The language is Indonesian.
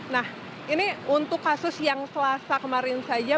nah ini untuk kasus yang selasa kemarin saja